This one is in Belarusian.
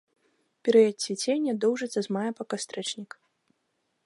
Перыяд цвіцення доўжыцца з мая па кастрычнік.